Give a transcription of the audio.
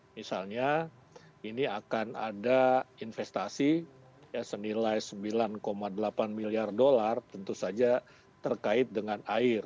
misalnya ini akan ada investasi senilai sembilan delapan miliar dolar tentu saja terkait dengan air